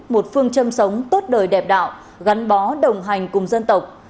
một phương châm sống tốt đời đẹp đạo gắn bó đồng hành cùng dân tộc